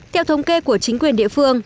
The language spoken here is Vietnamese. theo thống kê của chính quyền địa phương